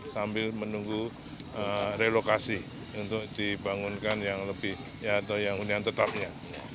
sambil menunggu relokasi untuk dibangunkan yang lebih atau yang hunian tetapnya